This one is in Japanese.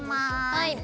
はい。